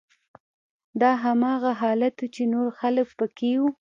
دا هماغه حالت و چې نور خلک پکې وو